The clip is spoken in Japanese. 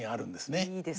いいですね。